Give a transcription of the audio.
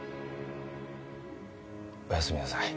おやすみなさい